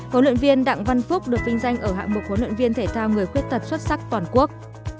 huấn luyện viên đặng văn phúc được vinh danh ở hạng mục huấn luyện viên thể thao người khuyết tật xuất sắc toàn quốc